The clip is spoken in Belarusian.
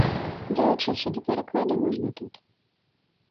Далучыцца да перакладу можна тут.